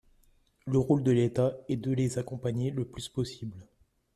Le rôle de l’État est de les accompagner le plus possible.